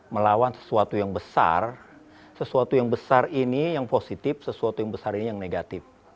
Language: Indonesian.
melawan sesuatu yang besar sesuatu yang besar ini yang positif sesuatu yang besar ini yang negatif